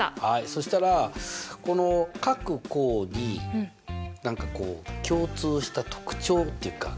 そしたらこの各項に何かこう共通した特徴っていうか。